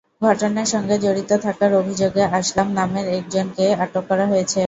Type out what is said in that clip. ঘটনার সঙ্গে জড়িত থাকার অভিযোগে আসলাম নামের একজনকে আটক করা হয়েছে।